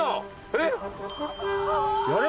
えっ！？